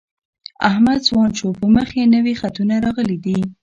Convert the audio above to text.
احمد ځوان شو په مخ یې نوي خطونه راغلي دي.